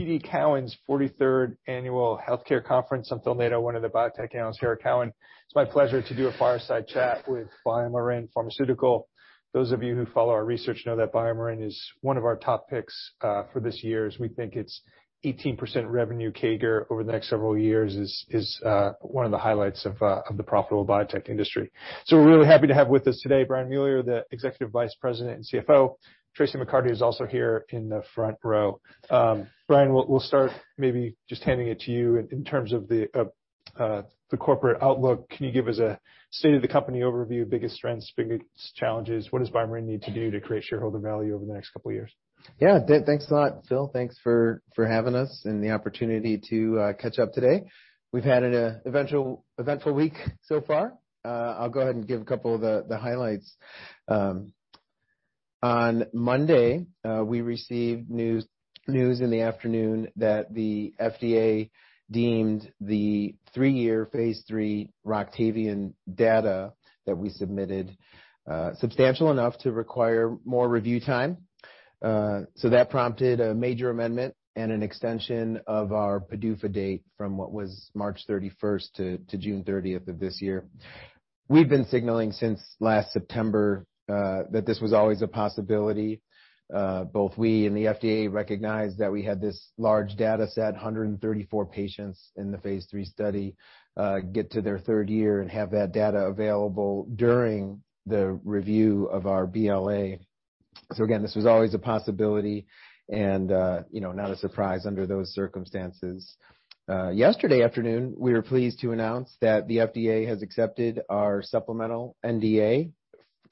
TD Cowen's 43rd Annual Healthcare Conference. I'm Phil Nadeau, one of the biotech analysts here at Cowen. It's my pleasure to do a fireside chat with BioMarin Pharmaceutical. Those of you who follow our research know that BioMarin is one of our top picks for this year. We think it's 18% revenue CAGR over the next several years is one of the highlights of the profitable biotech industry. So we're really happy to have with us today Brian Mueller, the Executive Vice President and CFO. Traci McCarty is also here in the front row. Brian, we'll start maybe just handing it to you. In terms of the corporate outlook, can you give us a state of the company overview, biggest strengths, biggest challenges? What does BioMarin need to do to create shareholder value over the next couple of years? Yeah, thanks a lot, Phil. Thanks for having us and the opportunity to catch up today. We've had an eventful week so far. I'll go ahead and give a couple of the highlights. On Monday, we received news in the afternoon that the FDA deemed the three-year Phase III Roctavian data that we submitted substantial enough to require more review time. So that prompted a major amendment and an extension of our PDUFA date from what was March 31st to June 30th of this year. We've been signaling since last September that this was always a possibility. Both we and the FDA recognize that we had this large data set, 134 patients in the Phase III study, get to their third year and have that data available during the review of our BLA. So again, this was always a possibility and not a surprise under those circumstances. Yesterday afternoon, we were pleased to announce that the FDA has accepted our supplemental NDA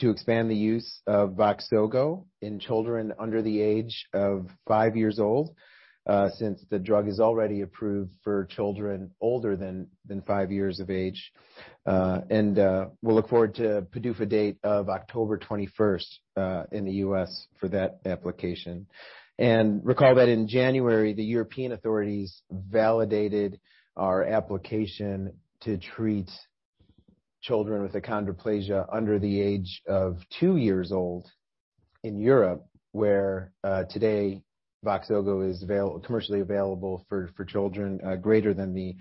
to expand the use of Voxzogo in children under the age of five years old, since the drug is already approved for children older than five years of age. And we'll look forward to PDUFA date of October 21st in the U.S. for that application. And recall that in January, the European authorities validated our application to treat children with achondroplasia under the age of two years old in Europe, where today Voxzogo is commercially available for children greater than the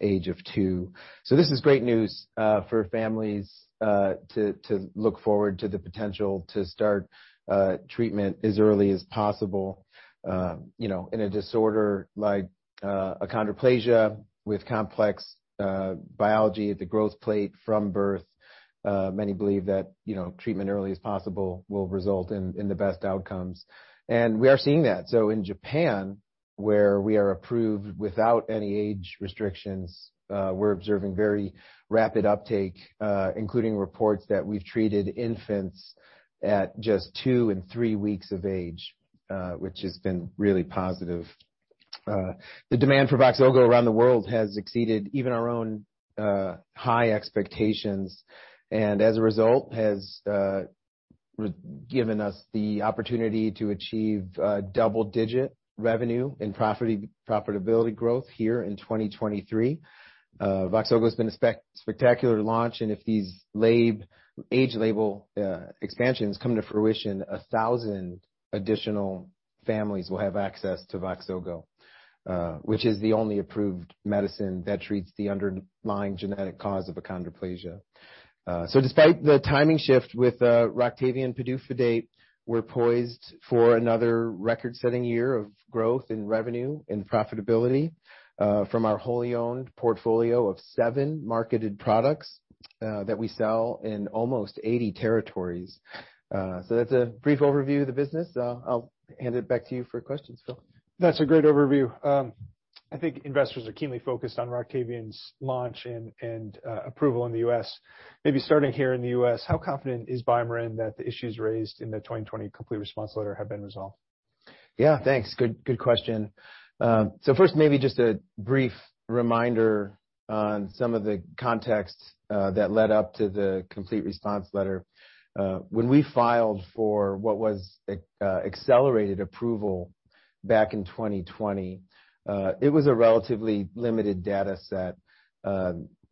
age of two. So this is great news for families to look forward to the potential to start treatment as early as possible. In a disorder like achondroplasia with complex biology at the growth plate from birth, many believe that treatment early as possible will result in the best outcomes. We are seeing that. So in Japan, where we are approved without any age restrictions, we're observing very rapid uptake, including reports that we've treated infants at just two and three weeks of age, which has been really positive. The demand for Voxzogo around the world has exceeded even our own high expectations and as a result has given us the opportunity to achieve double-digit revenue and profitability growth here in 2023. Voxzogo has been a spectacular launch. And if these age label expansions come to fruition, 1,000 additional families will have access to Voxzogo, which is the only approved medicine that treats the underlying genetic cause of achondroplasia. So despite the timing shift with Roctavian PDUFA date, we're poised for another record-setting year of growth in revenue and profitability from our wholly owned portfolio of seven marketed products that we sell in almost 80 territories. So that's a brief overview of the business. I'll hand it back to you for questions, Phil. That's a great overview. I think investors are keenly focused on Roctavian's launch and approval in the U.S. Maybe starting here in the U.S., how confident is BioMarin that the issues raised in the 2020 Complete Response Letter have been resolved? Yeah, thanks. Good question. So first, maybe just a brief reminder on some of the context that led up to the Complete Response Letter. When we filed for what was accelerated approval back in 2020, it was a relatively limited data set.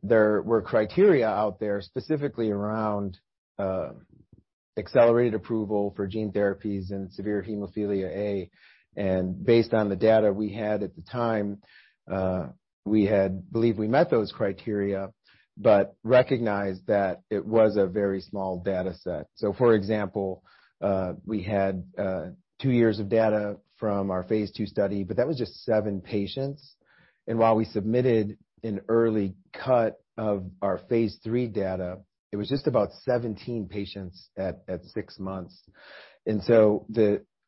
There were criteria out there specifically around accelerated approval for gene therapies and severe hemophilia A. And based on the data we had at the time, we had, I believe we met those criteria, but recognized that it was a very small data set. So for example, we had two years of data from our Phase II study, but that was just seven patients. And while we submitted an early cut of our Phase III data, it was just about 17 patients at six months.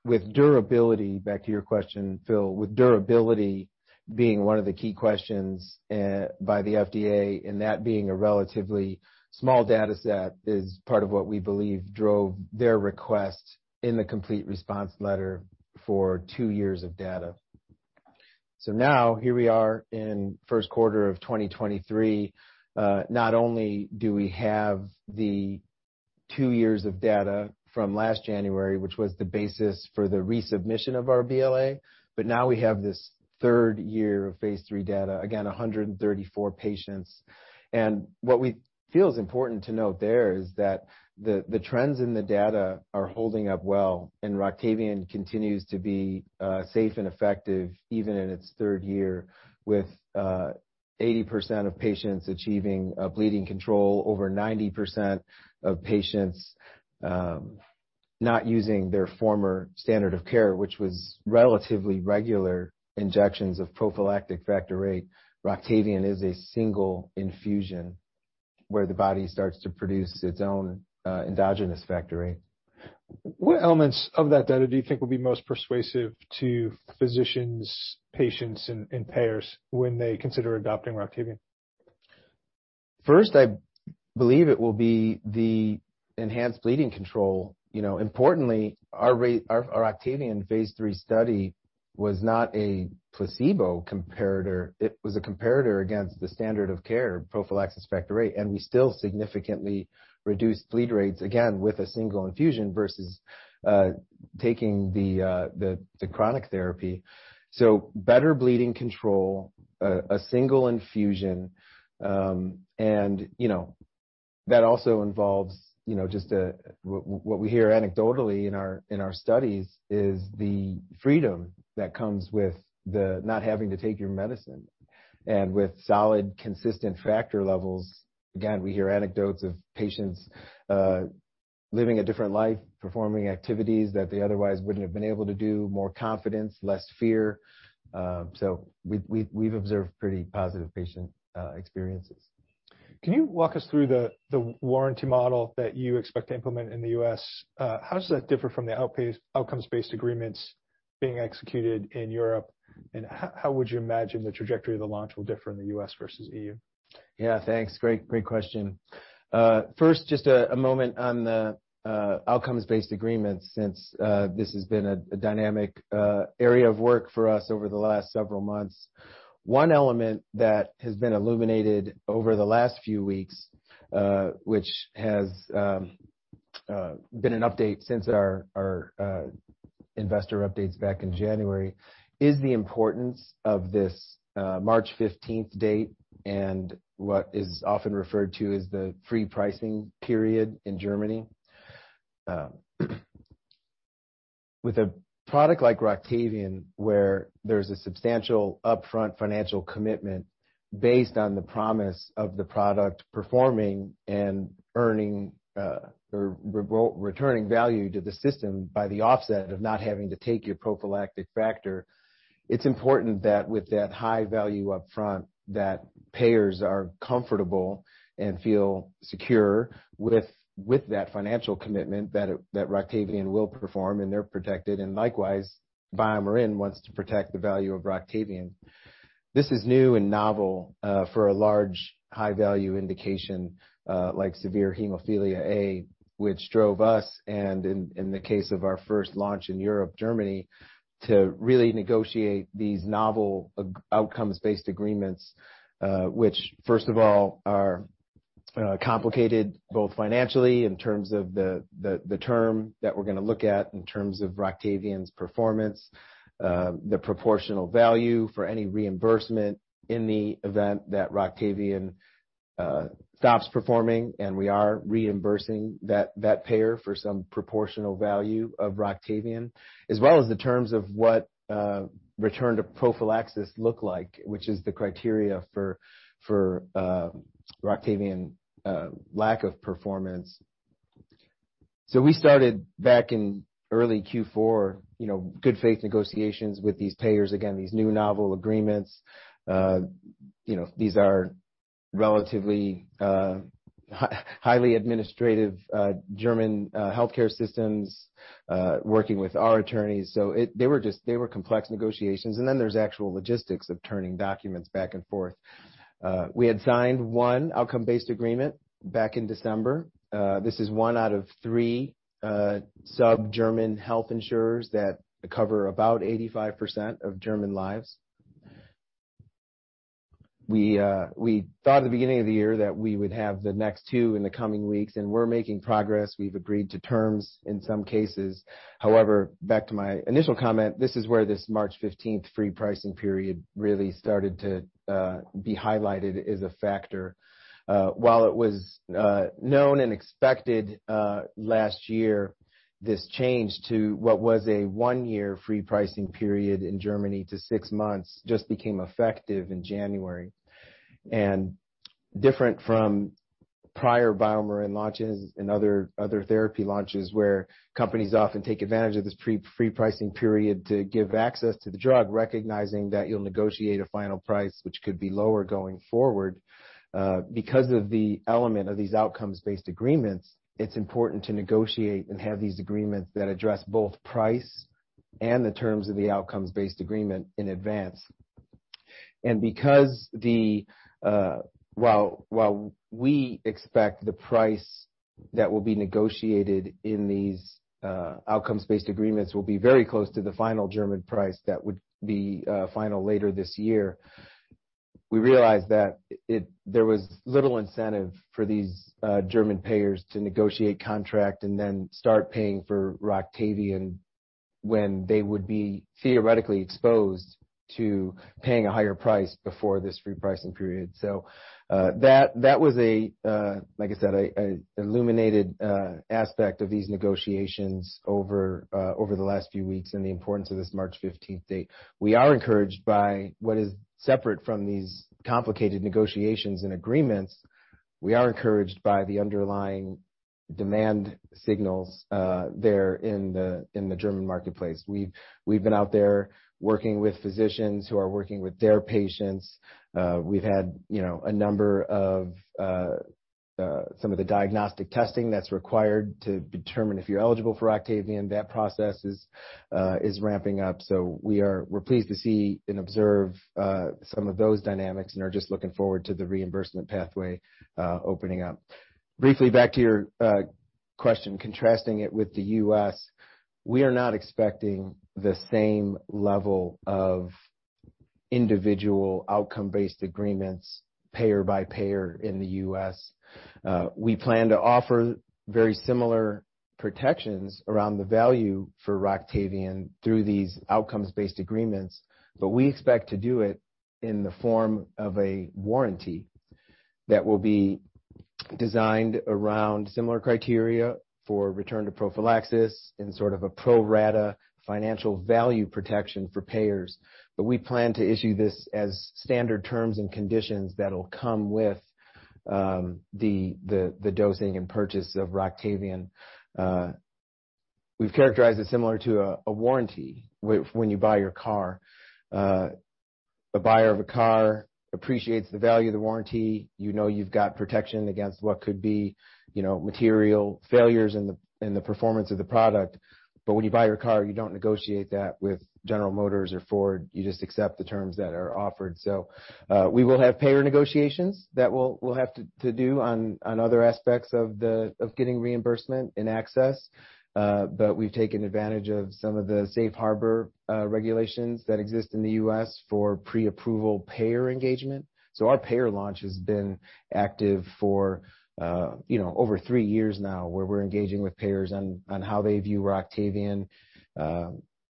With durability, back to your question, Phil, with durability being one of the key questions by the FDA and that being a relatively small data set is part of what we believe drove their request in the Complete Response Letter for two years of data. Now here we are in first quarter of 2023. Not only do we have the two years of data from last January, which was the basis for the resubmission of our BLA, but now we have this third year of Phase III data, again, 134 patients. What we feel is important to note there is that the trends in the data are holding up well and Roctavian continues to be safe and effective even in its third year with 80% of patients achieving bleeding control, over 90% of patients not using their former standard of care, which was relatively regular injections of prophylactic Factor VIII. Roctavian is a single infusion where the body starts to produce its own endogenous Factor VIII. What elements of that data do you think will be most persuasive to physicians, patients, and payers when they consider adopting Roctavian? First, I believe it will be the enhanced bleeding control. Importantly, our Roctavian Phase III study was not a placebo comparator. It was a comparator against the standard of care, prophylaxis Factor VIII, and we still significantly reduced bleed rates, again, with a single infusion versus taking the chronic therapy, so better bleeding control, a single infusion, and that also involves just what we hear anecdotally in our studies is the freedom that comes with not having to take your medicine, and with solid, consistent factor levels, again, we hear anecdotes of patients living a different life, performing activities that they otherwise wouldn't have been able to do, more confidence, less fear, so we've observed pretty positive patient experiences. Can you walk us through the warranty model that you expect to implement in the U.S.? How does that differ from the outcomes-based agreements being executed in Europe? And how would you imagine the trajectory of the launch will differ in the U.S. versus E.U.? Yeah, thanks. Great question. First, just a moment on the outcomes-based agreements, since this has been a dynamic area of work for us over the last several months. One element that has been illuminated over the last few weeks, which has been an update since our investor updates back in January, is the importance of this March 15th date and what is often referred to as the free pricing period in Germany. With a product like Roctavian, where there's a substantial upfront financial commitment based on the promise of the product performing and earning or returning value to the system by the offset of not having to take your prophylactic factor, it's important that with that high value upfront, that payers are comfortable and feel secure with that financial commitment that Roctavian will perform and they're protected. Likewise, BioMarin wants to protect the value of Roctavian. This is new and novel for a large high-value indication like severe hemophilia A, which drove us, and in the case of our first launch in Europe, Germany, to really negotiate these novel outcomes-based agreements, which first of all are complicated both financially in terms of the term that we're going to look at in terms of Roctavian's performance, the proportional value for any reimbursement in the event that Roctavian stops performing, and we are reimbursing that payer for some proportional value of Roctavian, as well as the terms of what return to prophylaxis looks like, which is the criteria for Roctavian's lack of performance. So we started back in early Q4, good faith negotiations with these payers, again, these new novel agreements. These are relatively highly administrative German healthcare systems working with our attorneys. So they were complex negotiations. Then there's actual logistics of turning documents back and forth. We had signed one outcome-based agreement back in December. This is one out of three sub-German health insurers that cover about 85% of German lives. We thought at the beginning of the year that we would have the next two in the coming weeks, and we're making progress. We've agreed to terms in some cases. However, back to my initial comment, this is where this March 15th free pricing period really started to be highlighted as a factor. While it was known and expected last year, this change to what was a one-year free pricing period in Germany to six months just became effective in January. And different from prior BioMarin launches and other therapy launches where companies often take advantage of this free pricing period to give access to the drug, recognizing that you'll negotiate a final price, which could be lower going forward. Because of the element of these outcomes-based agreements, it's important to negotiate and have these agreements that address both price and the terms of the outcomes-based agreement in advance. And because while we expect the price that will be negotiated in these outcomes-based agreements will be very close to the final German price that would be final later this year, we realized that there was little incentive for these German payers to negotiate contract and then start paying for Roctavian when they would be theoretically exposed to paying a higher price before this free pricing period. So that was, like I said, an illuminated aspect of these negotiations over the last few weeks and the importance of this March 15th date. We are encouraged by what is separate from these complicated negotiations and agreements. We are encouraged by the underlying demand signals there in the German marketplace. We've been out there working with physicians who are working with their patients. We've had a number of the diagnostic testing that's required to determine if you're eligible for Roctavian. That process is ramping up. So we're pleased to see and observe some of those dynamics and are just looking forward to the reimbursement pathway opening up. Briefly, back to your question, contrasting it with the U.S., we are not expecting the same level of individual outcome-based agreements payer by payer in the U.S. We plan to offer very similar protections around the value for Roctavian through these outcomes-based agreements, but we expect to do it in the form of a warranty that will be designed around similar criteria for return to prophylaxis and sort of a pro rata financial value protection for payers. But we plan to issue this as standard terms and conditions that will come with the dosing and purchase of Roctavian. We've characterized it similar to a warranty when you buy your car. A buyer of a car appreciates the value of the warranty. You know you've got protection against what could be material failures in the performance of the product. But when you buy your car, you don't negotiate that with General Motors or Ford. You just accept the terms that are offered. So we will have payer negotiations that we'll have to do on other aspects of getting reimbursement and access. But we've taken advantage of some of the safe harbor regulations that exist in the U.S. for pre-approval payer engagement. So our payer launch has been active for over three years now where we're engaging with payers on how they view Roctavian.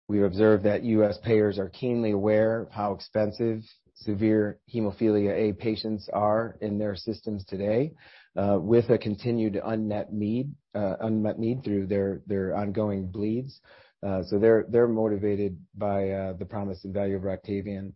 We observe that U.S. payers are keenly aware of how expensive severe hemophilia A patients are in their systems today with a continued unmet need through their ongoing bleeds. So they're motivated by the promise and value of Roctavian,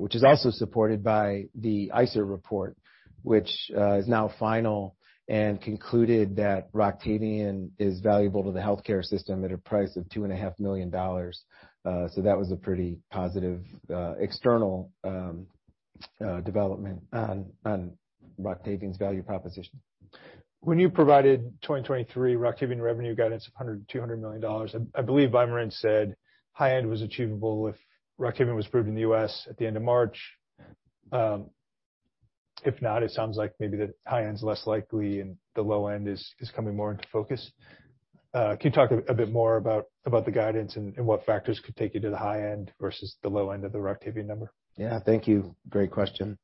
which is also supported by the ICER report, which is now final and concluded that Roctavian is valuable to the healthcare system at a price of $2.5 million. So that was a pretty positive external development on Roctavian's value proposition. When you provided 2023 Roctavian revenue guidance of $200 million, I believe BioMarin said high end was achievable if Roctavian was approved in the U.S. at the end of March. If not, it sounds like maybe the high end is less likely and the low end is coming more into focus. Can you talk a bit more about the guidance and what factors could take you to the high end versus the low end of the Roctavian number? Yeah, thank you. Great question.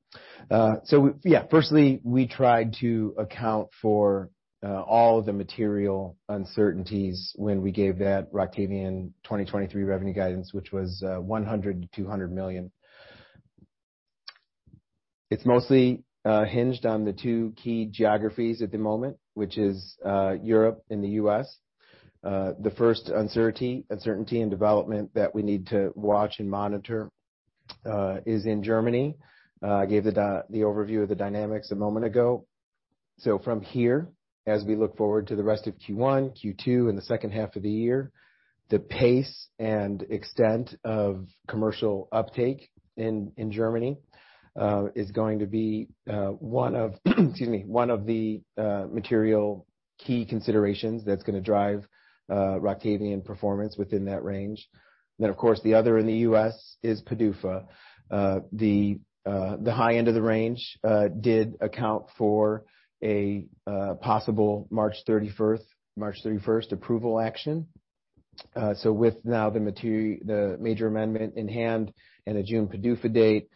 So yeah, firstly, we tried to account for all of the material uncertainties when we gave that Roctavian 2023 revenue guidance, which was $100 million-$200 million. It's mostly hinged on the two key geographies at the moment, which is Europe and the US. The first uncertainty in development that we need to watch and monitor is in Germany. I gave the overview of the dynamics a moment ago. So from here, as we look forward to the rest of Q1, Q2, and the second half of the year, the pace and extent of commercial uptake in Germany is going to be one of, excuse me, one of the material key considerations that's going to drive Roctavian performance within that range. Then, of course, the other in the U.S. is PDUFA. The high end of the range did account for a possible March 31st approval action. So with now the major amendment in hand and a June PDUFA date,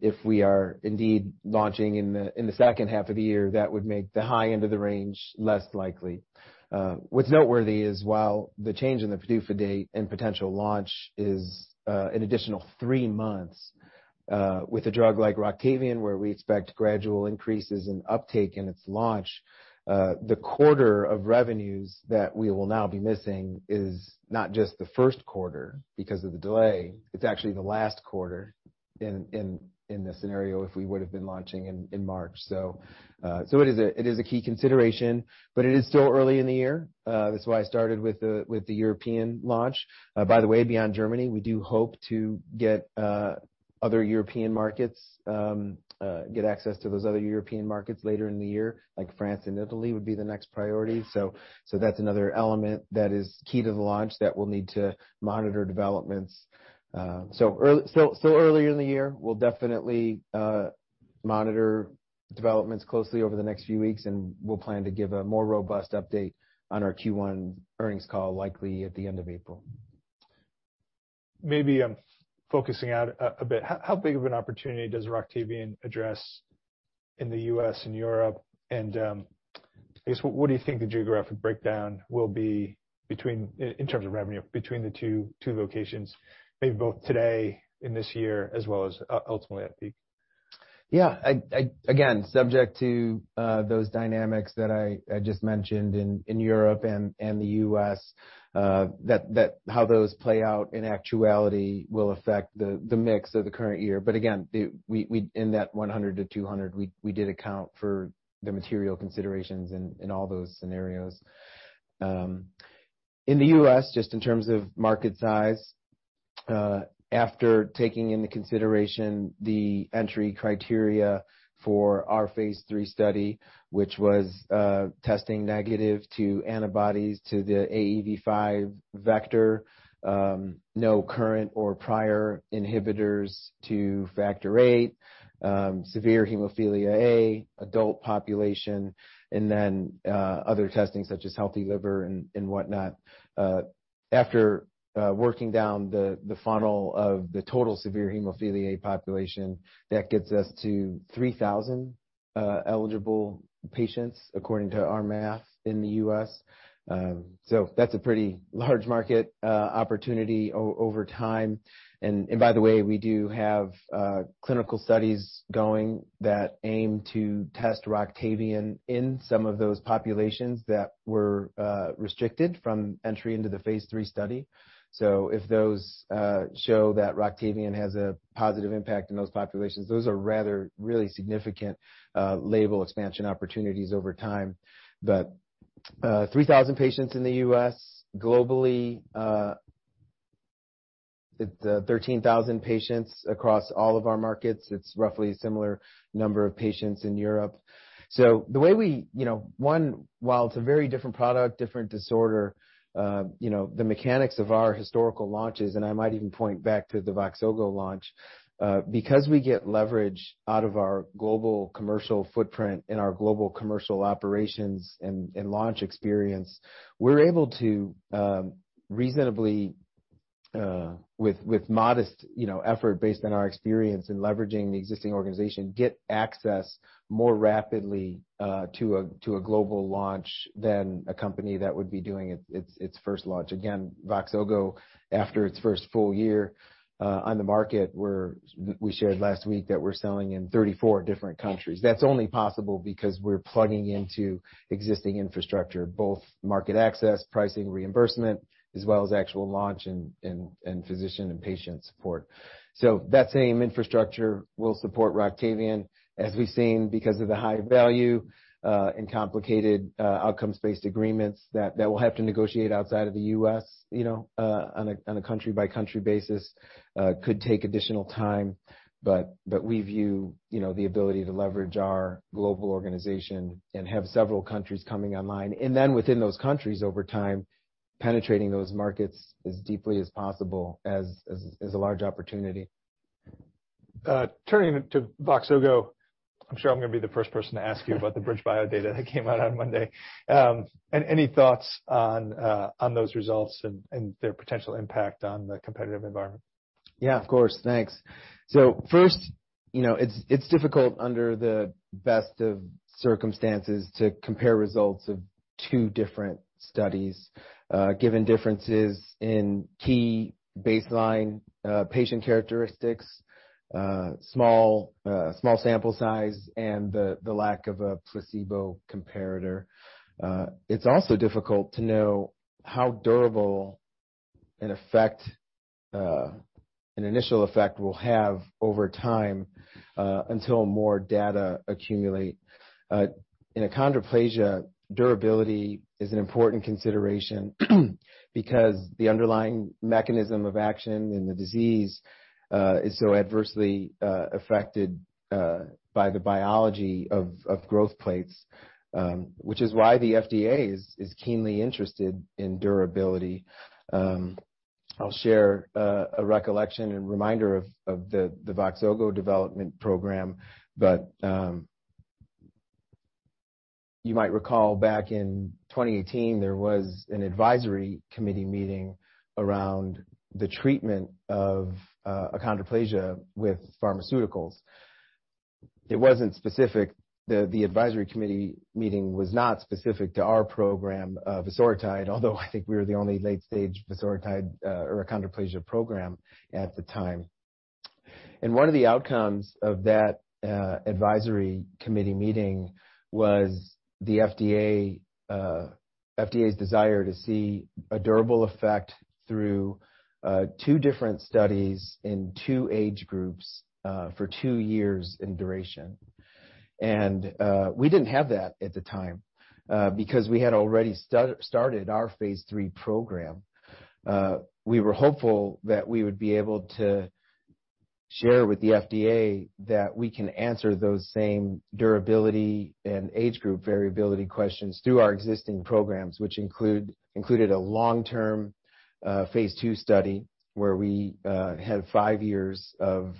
if we are indeed launching in the second half of the year, that would make the high end of the range less likely. What's noteworthy is while the change in the PDUFA date and potential launch is an additional three months with a drug like Roctavian, where we expect gradual increases in uptake and its launch, the quarter of revenues that we will now be missing is not just the first quarter because of the delay. It's actually the last quarter in the scenario if we would have been launching in March. So it is a key consideration, but it is still early in the year. That's why I started with the European launch. By the way, beyond Germany, we do hope to get other European markets, get access to those other European markets later in the year, like France and Italy would be the next priority. So that's another element that is key to the launch that we'll need to monitor developments. So still earlier in the year, we'll definitely monitor developments closely over the next few weeks, and we'll plan to give a more robust update on our Q1 earnings call likely at the end of April. Maybe I'm focusing out a bit. How big of an opportunity does Roctavian address in the U.S. and Europe? And I guess, what do you think the geographic breakdown will be in terms of revenue between the two locations, maybe both today in this year as well as ultimately at peak? Yeah. Again, subject to those dynamics that I just mentioned in Europe and the U.S., how those play out in actuality will affect the mix of the current year. But again, in that $100 million-$200 million, we did account for the material considerations in all those scenarios. In the U.S., just in terms of market size, after taking into consideration the entry criteria for our Phase III study, which was testing negative to antibodies to the AAV5 vector, no current or prior inhibitors to Factor VIII, severe Hemophilia A adult population, and then other testing such as healthy liver and whatnot. After working down the funnel of the total severe Hemophilia A population, that gets us to 3,000 eligible patients according to our math in the U.S. So that's a pretty large market opportunity over time. And by the way, we do have clinical studies going that aim to test Roctavian in some of those populations that were restricted from entry into the Phase III study. So if those show that Roctavian has a positive impact in those populations, those are rather really significant label expansion opportunities over time. But 3,000 patients in the U.S., globally, it's 13,000 patients across all of our markets. It's roughly a similar number of patients in Europe. So the way we, one, while it's a very different product, different disorder, the mechanics of our historical launches, and I might even point back to the Voxzogo launch, because we get leverage out of our global commercial footprint and our global commercial operations and launch experience, we're able to reasonably, with modest effort based on our experience in leveraging the existing organization, get access more rapidly to a global launch than a company that would be doing its first launch. Again, Voxzogo, after its first full year on the market, we shared last week that we're selling in 34 different countries. That's only possible because we're plugging into existing infrastructure, both market access, pricing, reimbursement, as well as actual launch and physician and patient support. So that same infrastructure will support Roctavian as we've seen because of the high value and complicated outcomes-based agreements that we'll have to negotiate outside of the U.S. on a country-by-country basis could take additional time. But we view the ability to leverage our global organization and have several countries coming online. And then within those countries, over time, penetrating those markets as deeply as possible is a large opportunity. Turning to Voxzogo, I'm sure I'm going to be the first person to ask you about the BridgeBio data that came out on Monday, and any thoughts on those results and their potential impact on the competitive environment? Yeah, of course. Thanks. So first, it's difficult under the best of circumstances to compare results of two different studies given differences in key baseline patient characteristics, small sample size, and the lack of a placebo comparator. It's also difficult to know how durable an initial effect will have over time until more data accumulate. In achondroplasia, durability is an important consideration because the underlying mechanism of action in the disease is so adversely affected by the biology of growth plates, which is why the FDA is keenly interested in durability. I'll share a recollection and reminder of the Voxzogo development program. But you might recall back in 2018, there was an advisory committee meeting around the treatment of achondroplasia with pharmaceuticals. It wasn't specific. The advisory committee meeting was not specific to our program of Voxzogo, although I think we were the only late-stage Voxzogo or achondroplasia program at the time, and one of the outcomes of that advisory committee meeting was the FDA's desire to see a durable effect through two different studies in two age groups for two years in duration, and we didn't have that at the time because we had already started our Phase III program. We were hopeful that we would be able to share with the FDA that we can answer those same durability and age group variability questions through our existing programs, which included a long-term Phase II study where we had five years of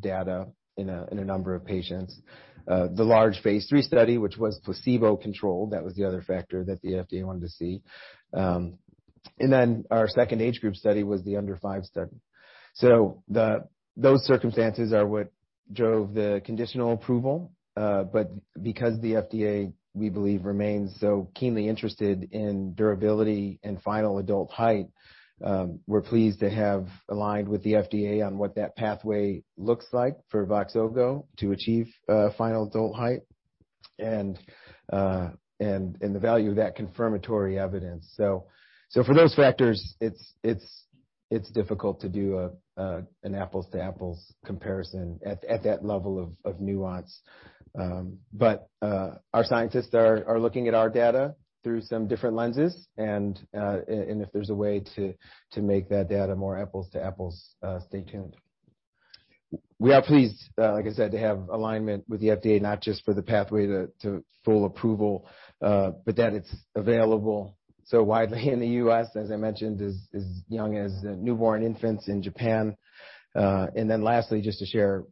data in a number of patients, the large Phase III study, which was placebo controlled. That was the other factor that the FDA wanted to see. And then our second age group study was the under five study. So those circumstances are what drove the conditional approval. But because the FDA, we believe, remains so keenly interested in durability and final adult height, we're pleased to have aligned with the FDA on what that pathway looks like for Voxzogo to achieve final adult height and the value of that confirmatory evidence. So for those factors, it's difficult to do an apples-to-apples comparison at that level of nuance. But our scientists are looking at our data through some different lenses. And if there's a way to make that data more apples-to-apples, stay tuned. We are pleased, like I said, to have alignment with the FDA, not just for the pathway to full approval, but that it's available so widely in the U.S., as I mentioned, as young as newborn infants in Japan. And then lastly, just to share,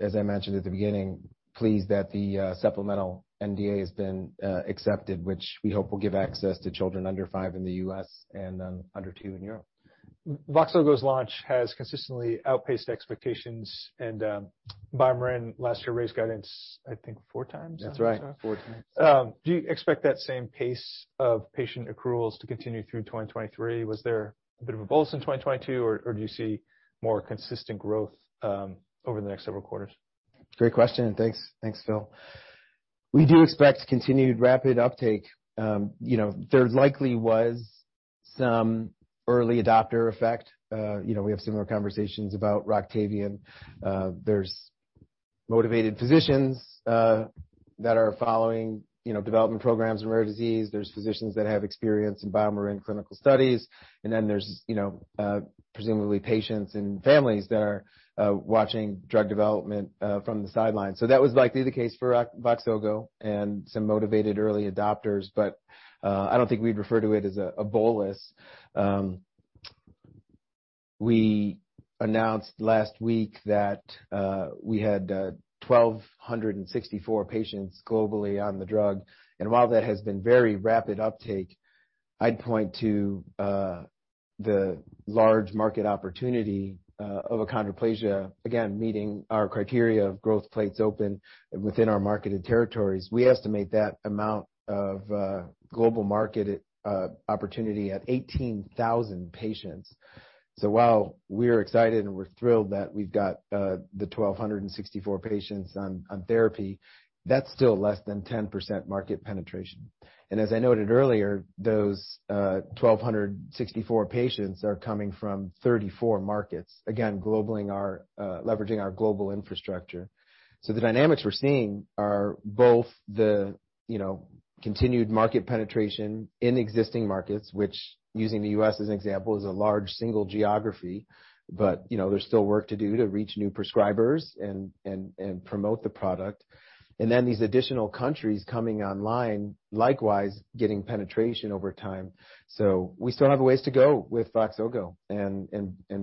as I mentioned at the beginning, pleased that the supplemental NDA has been accepted, which we hope will give access to children under five in the U.S. and under two in Europe. Voxzogo's launch has consistently outpaced expectations, and BioMarin last year raised guidance, I think, 4x. That's right, 4x. Do you expect that same pace of patient accruals to continue through 2023? Was there a bit of a bolus in 2022, or do you see more consistent growth over the next several quarters? Great question. Thanks, Phil. We do expect continued rapid uptake. There likely was some early adopter effect. We have similar conversations about Roctavian. There's motivated physicians that are following development programs in rare disease. There's physicians that have experience in BioMarin clinical studies. And then there's presumably patients and families that are watching drug development from the sidelines. So that was likely the case for Voxzogo and some motivated early adopters. But I don't think we'd refer to it as a bolus. We announced last week that we had 1,264 patients globally on the drug. And while that has been very rapid uptake, I'd point to the large market opportunity of achondroplasia, again, meeting our criteria of growth plates open within our marketed territories. We estimate that amount of global market opportunity at 18,000 patients. So while we're excited and we're thrilled that we've got the 1,264 patients on therapy, that's still less than 10% market penetration. And as I noted earlier, those 1,264 patients are coming from 34 markets, again, leveraging our global infrastructure. So the dynamics we're seeing are both the continued market penetration in existing markets, which, using the U.S. as an example, is a large single geography, but there's still work to do to reach new prescribers and promote the product. And then these additional countries coming online, likewise, getting penetration over time. So we still have a ways to go with Voxzogo and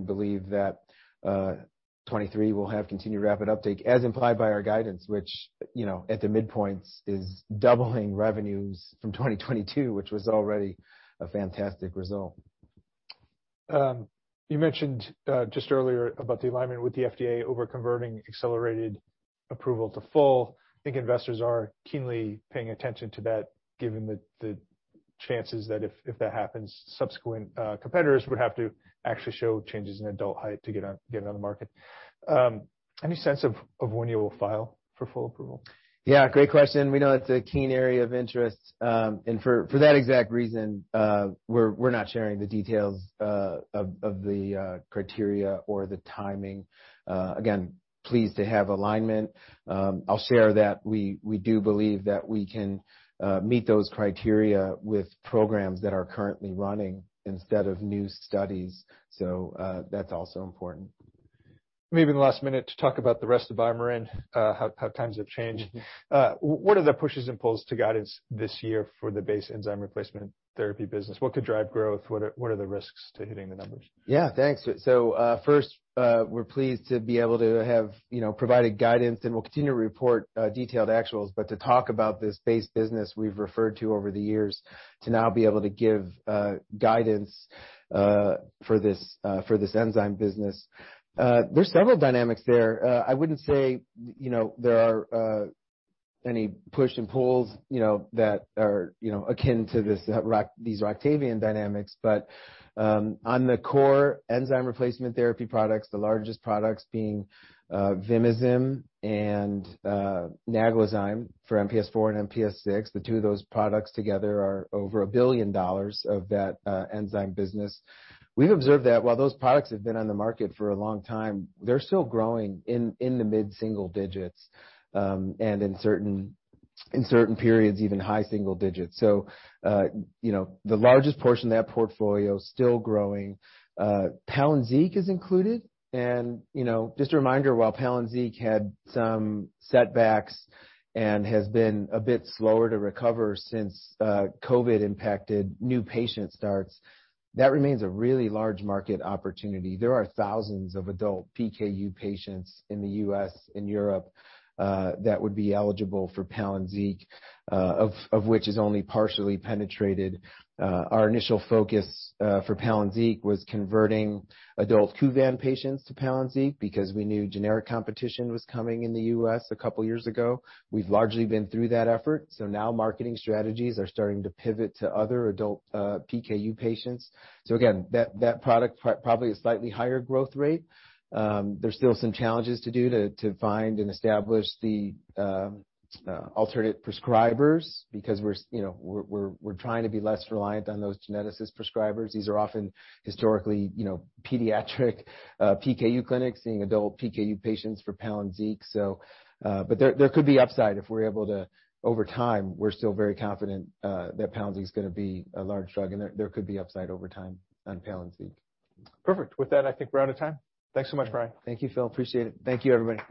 believe that 2023 will have continued rapid uptake, as implied by our guidance, which at the midpoint is doubling revenues from 2022, which was already a fantastic result. You mentioned just earlier about the alignment with the FDA over converting accelerated approval to full. I think investors are keenly paying attention to that, given the chances that if that happens, subsequent competitors would have to actually show changes in adult height to get it on the market. Any sense of when you will file for full approval? Yeah, great question. We know it's a keen area of interest, and for that exact reason, we're not sharing the details of the criteria or the timing. Again, pleased to have alignment. I'll share that we do believe that we can meet those criteria with programs that are currently running instead of new studies, so that's also important. Maybe in the last minute to talk about the rest of BioMarin, how times have changed. What are the pushes and pulls to guidance this year for the base enzyme replacement therapy business? What could drive growth? What are the risks to hitting the numbers? Yeah, thanks. So first, we're pleased to be able to have provided guidance, and we'll continue to report detailed actuals. But to talk about this base business we've referred to over the years to now be able to give guidance for this enzyme business, there's several dynamics there. I wouldn't say there are any push and pulls that are akin to these Roctavian dynamics. But on the core enzyme replacement therapy products, the largest products being Vimizim and Naglazyme for MPS IV and MPS VI, the two of those products together are over $1 billion of that enzyme business. We've observed that while those products have been on the market for a long time, they're still growing in the mid-single digits and in certain periods, even high single digits. So the largest portion of that portfolio is still growing. Palynziq is included. And just a reminder, while Palynziq had some setbacks and has been a bit slower to recover since COVID impacted new patient starts, that remains a really large market opportunity. There are thousands of adult PKU patients in the U.S. and Europe that would be eligible for Palynziq, of which is only partially penetrated. Our initial focus for Palynziq was converting adult Kuvan patients to Palynziq because we knew generic competition was coming in the U.S. a couple of years ago. We've largely been through that effort. So now marketing strategies are starting to pivot to other adult PKU patients. So again, that product probably has a slightly higher growth rate. There's still some challenges to do to find and establish the alternate prescribers because we're trying to be less reliant on those geneticist prescribers. These are often historically pediatric PKU clinics seeing adult PKU patients for Palynziq. But there could be upside if we're able to, over time. We're still very confident that Palynziq is going to be a large drug, and there could be upside over time on Palynziq. Perfect. With that, I think we're out of time. Thanks so much, Brian. Thank you, Phil. Appreciate it. Thank you, everybody.